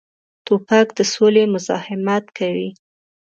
توپک د سولې مزاحمت کوي.